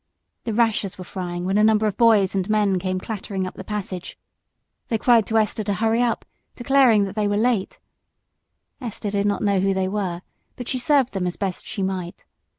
At that moment a number of boys and men came clattering up the passage. They cried to Esther to hurry up, declaring that they were late. Esther did not know who they were, but she served them as best she might.